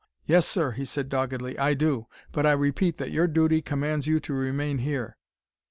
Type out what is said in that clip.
"Yes, sir," he said doggedly. "I do. But I repeat that your duty commands you to remain here."